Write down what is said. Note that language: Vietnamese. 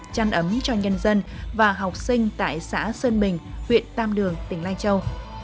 chăn ấm cho nhân dân và học sinh tại xã sơn bình huyện tam đường tỉnh lai châu